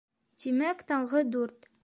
Тимәк, таңғы дүрт.